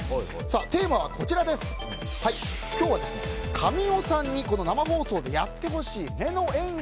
テーマは神尾さんに生放送でやってほしい目の演技